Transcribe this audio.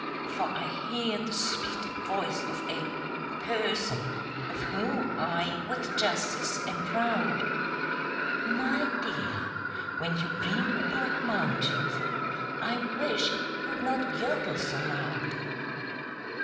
For I hear the sweet voice of a "person" Of whom I with justice am proud, "_My dear, when you dream about mountains, I wish you'd not jodel so loud!